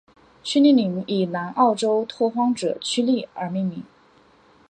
屈利岭以南澳州拓荒者屈利而命名。